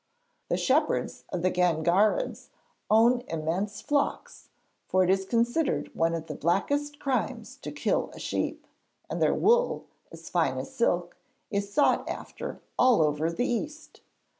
The shepherds of the Gangarids own immense flocks, for it is considered one of the blackest crimes to kill a sheep and their wool, as fine as silk, is sought after all over the East.